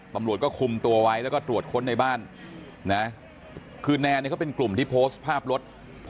ตำรวจก็คุมตัวไว้แล้วก็ตรวจค้นในบ้านนะคือแนนเนี่ยเขาเป็นกลุ่มที่โพสต์ภาพรถ